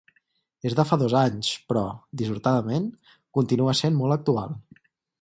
És de fa dos anys, però, dissortadament, continua essent molt actual.